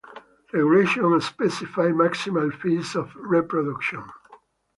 Regulations specify maximal fees of reproduction.